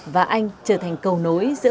và anh trở thành cầu nối giữa